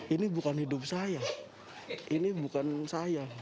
ini bukan hidup saya ini bukan saya